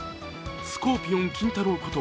スコーピオン金太郎こと